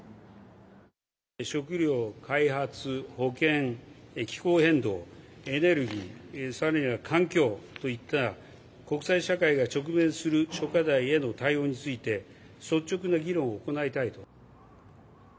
食料、開発、保健、気候変動、エネルギー、さらには環境といった国際社会が直面する諸課題への対応について、率直な議論を行いたいと。